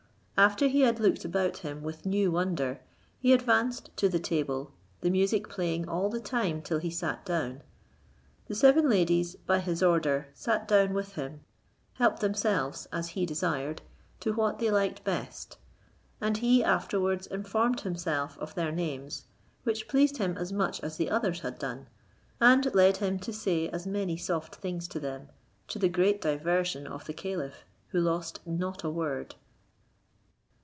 After he had looked about him with new wonder, he advanced to the table, the music playing all the time till he sat down. The seven ladies, by his order, sat down with him, helped themselves, as he desired, to what they liked best; and he afterwards informed himself of their names, which pleased him as much as the others had done, and led him to say as many soft things to them, to the great diversion of the caliph, who lost not a word.